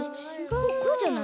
こうじゃない？